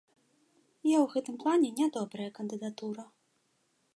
Я ў гэтым плане не добрая кандыдатура.